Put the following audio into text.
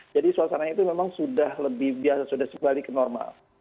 jadi suasananya itu memang sudah lebih biasa sudah sebalik normal